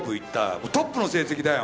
もうトップの成績だよ。